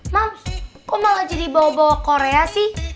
mam kok mah nggak jadi bawa bawa korea sih